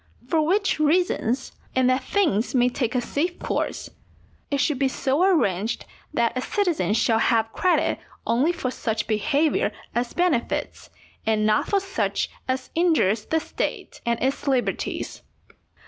For which reasons, and that things may take a safe course, it should be so arranged that a citizen shall have credit only for such behaviour as benefits, and not for such as injures the State and its liberties.